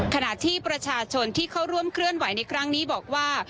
ขณะที่ประชาชนที่เข้าร่วมเคลื่อนไหวในครั้งนี้บอกว่า